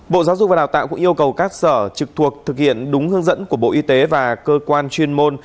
bộ giáo dục và đào tạo cũng yêu cầu các sở trực thuộc thực hiện đúng hướng dẫn của bộ y tế và cơ quan chuyên môn